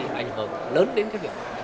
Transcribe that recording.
nó không có cái gì ảnh hưởng lớn đến cái việc